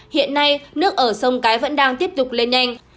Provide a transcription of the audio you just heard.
hiện nay nước ở sông cái vẫn đang tiếp tục lên nhanh